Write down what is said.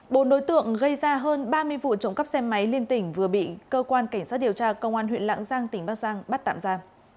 bốn đối tượng gây ra hơn ba mươi vụ trộm cắp xe máy liên tỉnh vừa bị cơ quan cảnh sát điều tra công an huyện lạng giang tỉnh bắc giang bắt tạm ra